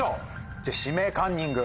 じゃあ「指名カンニング」。